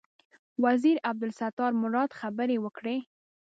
وزیر عبدالستار مراد خبرې وکړې.